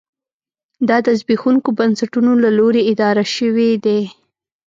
دا د زبېښونکو بنسټونو له لوري اداره شوې دي.